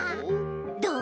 どう？